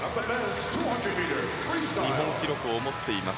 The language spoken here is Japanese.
日本記録を持っています。